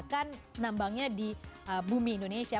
kan nambangnya di bumi indonesia